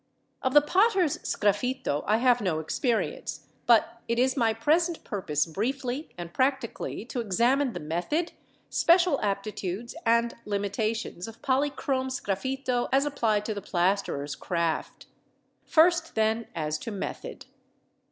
Of the potter's sgraffito I have no experience, but it is my present purpose briefly and practically to examine the method, special aptitudes, and limitations of polychrome sgraffito as applied to the plasterer's craft. First, then, as to method.